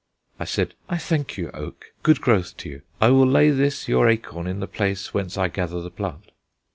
I said, "I thank you, Oak: good growth to you. I will lay this your acorn in the place whence I gather the plant."